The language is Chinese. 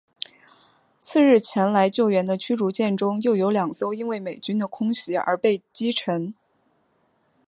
次日前来救援的驱逐舰中又有两艘因为美军的空袭而被击沉。